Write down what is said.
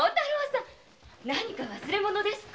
何か忘れ物ですか？